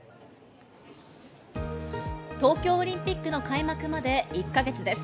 東京オリンピックの開幕まで１か月です。